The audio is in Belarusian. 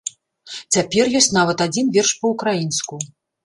Цяпер ёсць нават адзін верш па-ўкраінску.